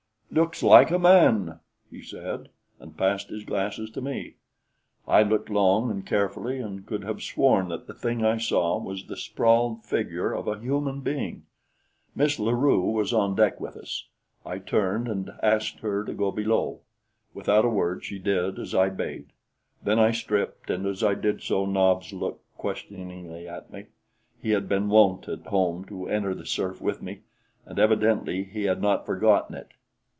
"Looks like a man," he said, and passed his glasses to me. I looked long and carefully and could have sworn that the thing I saw was the sprawled figure of a human being. Miss La Rue was on deck with us. I turned and asked her to go below. Without a word she did as I bade. Then I stripped, and as I did so, Nobs looked questioningly at me. He had been wont at home to enter the surf with me, and evidently he had not forgotten it.